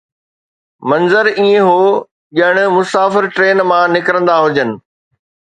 منظر ائين هو ڄڻ مسافر ٽرين مان نڪرندا هجن.